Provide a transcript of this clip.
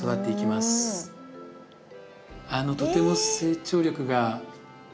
とても成長力が。